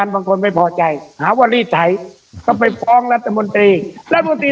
บางคนไม่พอใจหาว่ารีสัยก็ไปฟ้องรัฐมนตรีรัฐมนตรี